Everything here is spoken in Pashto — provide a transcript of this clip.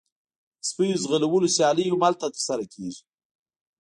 د سپیو ځغلولو سیالۍ هم هلته ترسره کیږي